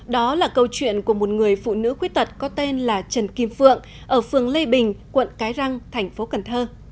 đó là câu chuyện của một người phụ nữ khuyết tật có tên là trần kim phượng ở phường lê bình quận cái răng thành phố cần thơ